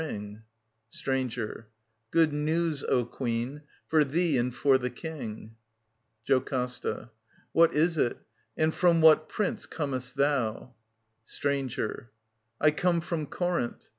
52 ▼▼.934 ^7 OEDIPUS, KING OF THEBES Stranger. Good news, O Queen, for thee and for the King. JOCASTA. |§ What is it ? And from what prince comest thou ? Stranger. I come from Corinth.